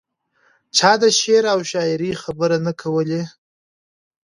چا د شعر او شاعرۍ خبرې نه کولې.